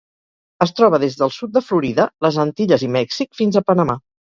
Es troba des del sud de Florida, les Antilles i Mèxic fins a Panamà.